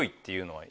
はい。